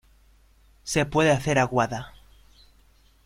Se puede hacer aguada.